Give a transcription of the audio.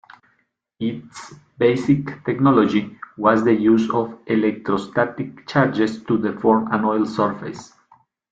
Its basic technology was the use of electrostatic charges to deform an oil surface.